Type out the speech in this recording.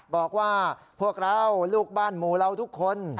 บอกว่าพวกเราลูกบ้านหมู่เราทุกคน